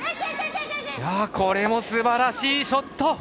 これもすばらしいショット！